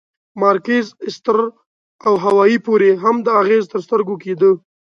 مارکیز، ایستر او هاوایي پورې هم دا اغېز تر سترګو کېده.